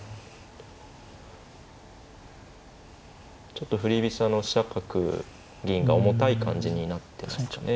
ちょっと振り飛車の飛車角銀が重たい感じになってますかね。